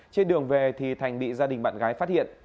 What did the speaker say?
trên đường về thì thành bị gia đình bạn gái phát hiện